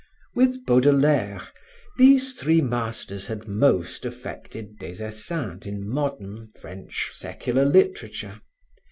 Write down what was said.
With Baudelaire, these three masters had most affected Des Esseintes in modern, French, secular literature.